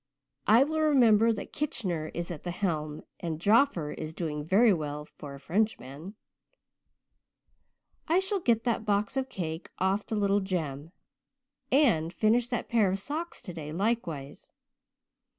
I will remember that Kitchener is at the helm and Joffer is doing very well for a Frenchman. I shall get that box of cake off to little Jem and finish that pair of socks today likewise.